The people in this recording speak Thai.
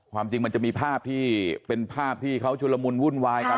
ความจริงมันจะมีภาพที่เป็นภาพที่เขาชุลมุนวุ่นวายกัน